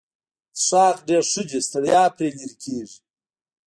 څښاک ډېر ښه دی ستړیا پرې لیرې کیږي.